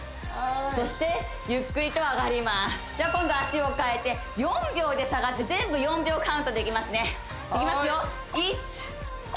そしてゆっくりと上がりますでは今度脚を替えて４秒で下がって全部４秒カウントでいきますねいきますよ